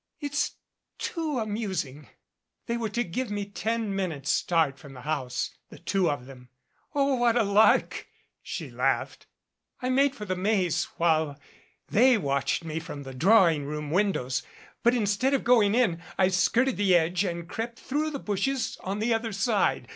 "It's too amusing. They were to give me ten min utes' start from the house the two of them. Oh, what a lark!" she laughed. "I made for the Maze, while they watched me from the drawing room windows ; but instead of going in, I skirted the edge and crept through the bushes on the other side.